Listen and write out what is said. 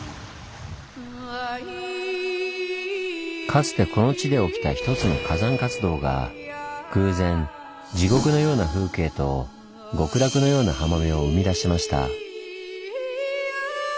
かつてこの地で起きた一つの火山活動が偶然地獄のような風景と極楽のような浜辺を生み出しました。